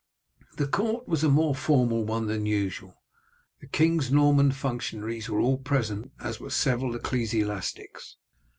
The court was a more formal one than usual, the king's Norman functionaries were all present as were several ecclesiastics.